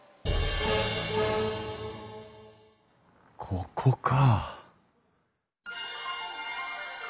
ここか。